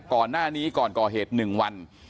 ก่อนหน้านี้ก่อนก่อเหตุ๑วัน